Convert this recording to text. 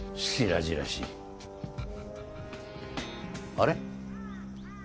あれ？